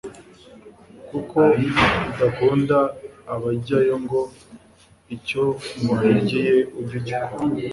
kuko idakunda abapfayongo; icyo wahigiye, ujye ugikora